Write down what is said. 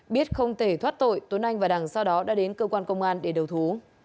biết không thể thoát tội tuấn anh và đằng sau đó đã đến cơ quan công an để đầu thú